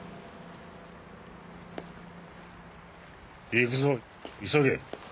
行くぞ急げ。